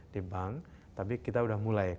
di bank tapi kita sudah mulai